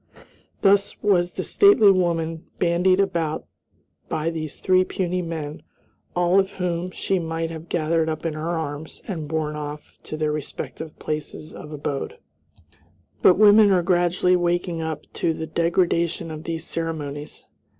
Thus was this stately woman bandied about by these three puny men, all of whom she might have gathered up in her arms and borne off to their respective places of abode. But women are gradually waking up to the degradation of these ceremonies.